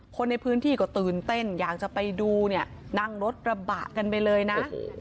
คนในพื้นที่ก็ตื่นเต้นอยากจะไปดูเนี่ยนั่งรถกระบะกันไปเลยนะ